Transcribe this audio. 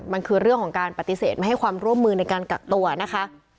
มันคือเรื่องของการปฏิเสธไม่ให้ความร่วมมือในการกักตัวนะคะ